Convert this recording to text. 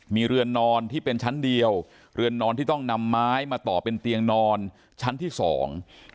มีเรือนนอนที่เป็นชั้นเดียวเรือนนอนที่ต้องนำไม้มาต่อเป็นเตียงนอนชั้นที่สอง